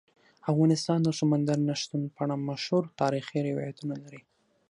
افغانستان د سمندر نه شتون په اړه مشهور تاریخی روایتونه لري.